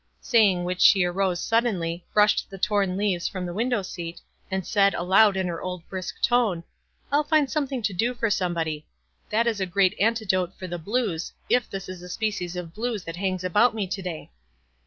Saying which she arose suddenly, brushed the torn leaves from the window scat, and said, aloud, in her old brisk tone, "I'll find something to do for somebody ; that is a grand antidote for the blues, if this is a species of blues that hangs about me to day."